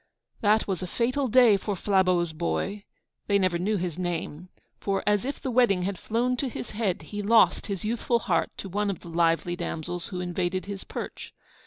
That was a fatal day for Flabeau's boy (they never knew his name); for, as if the wedding had flown to his head, he lost his youthful heart to one of the lively damsels who invaded his perch.